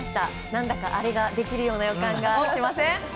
何だか、あれができるような予感がします。